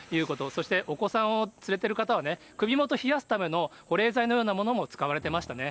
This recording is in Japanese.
そしてお子さんを連れてる方はね、首元、冷やすための保冷剤のようなものも使われてましたね。